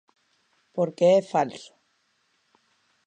Porque é falso.